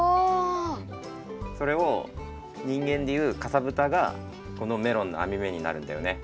それをにんげんでいうかさぶたがこのメロンのあみ目になるんだよね。